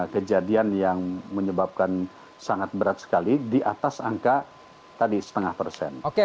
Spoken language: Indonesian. kejadian yang menyebabkan sangat berat sekali di atas angka tadi setengah persen